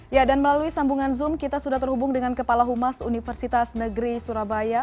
ya dan melalui sambungan zoom kita sudah terhubung dengan kepala humas universitas negeri surabaya